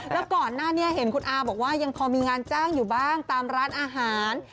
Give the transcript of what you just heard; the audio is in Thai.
แล้วก่อนหน้านี้เห็นคุณอาบอกว่ายังพอมีงานจ้างอยู่บ้างตามร้านอาหาร